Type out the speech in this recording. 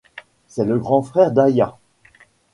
C'est le grand frère d'Aya.